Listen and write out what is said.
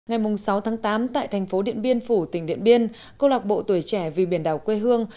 ngày sáu tháng tám tại thành phố điện biên phủ tỉnh điện biên câu lạc bộ tuổi trẻ vì biển đảo quê hương